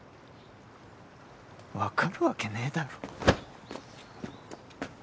分かるわけねえだろ。